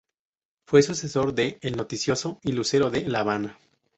Fue sucesor de "El Noticioso y Lucero de la Habana".